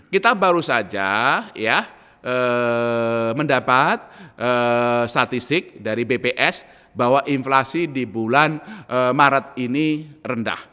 kita baru saja mendapat statistik dari bps bahwa inflasi di bulan maret ini rendah